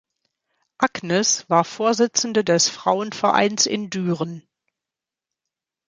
Agnes war Vorsitzende des Frauenvereins in Düren.